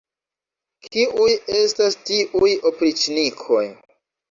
Kiuj estas tiuj opriĉnikoj!